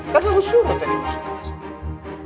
kan lo suruh tadi masuk masuk